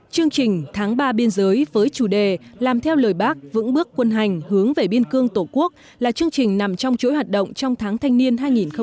chương trình tháng ba biên giới với chủ đề làm theo lời bác vững bước quân hành hướng về biên cương tổ quốc là chương trình nằm trong chuỗi hoạt động trong tháng thanh niên hai nghìn hai mươi bốn